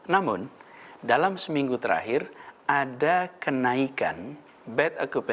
namun dalam seminggu terakhir ada kenaikan bad occupancy rate